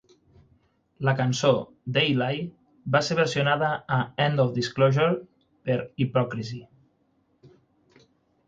La cançó "They Lie" va ser versionada a "End of Disclosure" per Hypocrisy.